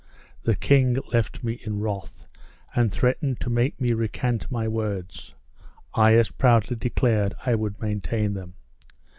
The king left me in wrath and threatened to make me recant my words I as proudly declared I would maintain them.